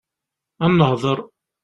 Ad nehḍeṛ.